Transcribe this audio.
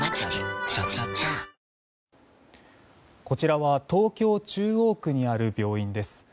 ＪＴこちらは東京・中央区にある病院です。